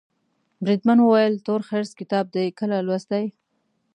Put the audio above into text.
بریدمن وویل تورخرس کتاب دي کله لوستی.